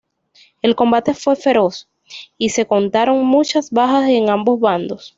El combate fue feroz, y se contaron muchas bajas en ambos bandos.